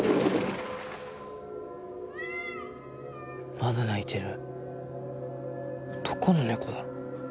まだ鳴いてるどこの猫だろう？